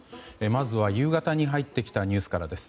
まずは夕方に入ってきたニュースからです。